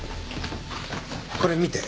これ見て。